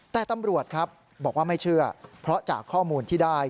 แต่ตำรวจครับบอกว่าไม่เชื่อเพราะจากข้อมูลที่ได้